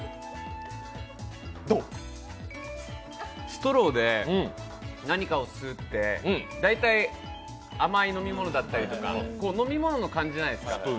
ストローで何かを吸うって、大体甘い飲み物だったりとか、飲み物の感じじゃないですか。